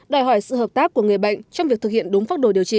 đòi hỏi sự hợp tác của người bệnh trong việc thực hiện đúng pháp đồ điều trị